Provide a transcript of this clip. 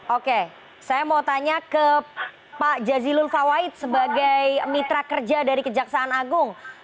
oke saya mau tanya ke pak jazilul fawait sebagai mitra kerja dari kejaksaan agung